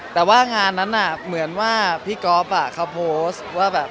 แต่ว่างานนั้นเหมือนว่าพี่ก๊อฟเขาโพสต์ว่าแบบ